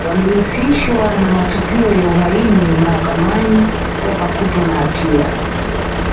Walihusishwa na matukio ya uhaini Mahakamani wakakutwa na hatia